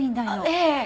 ええ。